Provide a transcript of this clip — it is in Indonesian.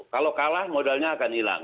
kalau kalah modalnya akan hilang